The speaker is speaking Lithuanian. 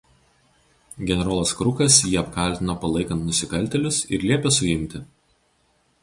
Generolas Krukas jį apkaltino palaikant nusikaltėlius ir liepė suimti.